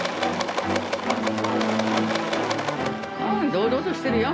堂々としてるよ。